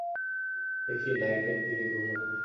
দেখি, লাইটের দিকে ঘুরুন।